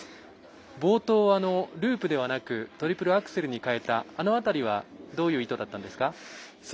冒頭、ループではなくトリプルアクセルに変えたあの辺りはどういう意図だったんですか？